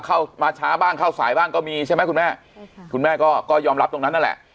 เข้ามาช้าบ้างเข้าสายบ้างก็มีใช่ไหมคุณแม่คุณแม่ก็ก็ยอมรับตรงนั้นนั่นแหละ